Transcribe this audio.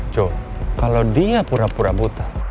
jo kalau dia pura pura buta